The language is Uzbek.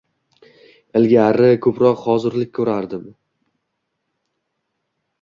Ilgari koʻproq hozirlik koʻrardim.